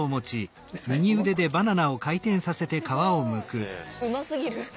うますぎる。